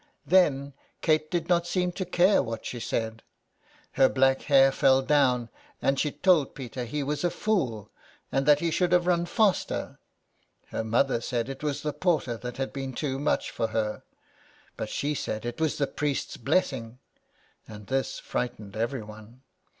Then Kate did not seem to care what she said. Her black hair fell down, and she told Peter he was a fool, and that he should have run faster. Her mother said it was the porter that had been too much for her; but she said it was the priest's blessing, and this frightened everyone.